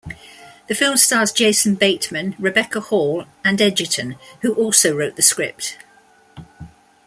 The film stars Jason Bateman, Rebecca Hall and Edgerton, who also wrote the script.